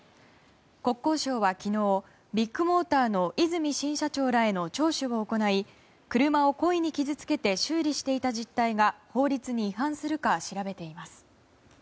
国交省は昨日、ビッグモーターの和泉新社長らへの聴取を行い車を故意に傷つけて修理していた実態が法律に違反するか調べています。